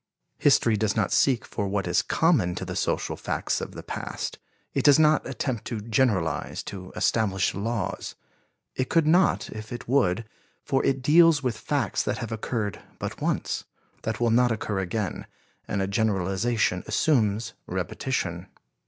History does not seek for what is common to the social facts of the past; it does not attempt to generalize, to establish laws. It could not if it would, for it deals with facts that have occurred but once, that will not occur again, and a generalization assumes repetition.